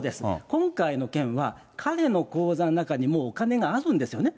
今回の件は、彼の口座の中にもうお金があるんですよね。